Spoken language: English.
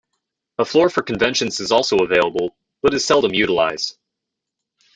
A floor for conventions is also available, but is seldom utilized.